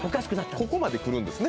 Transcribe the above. ここまで来るんですね。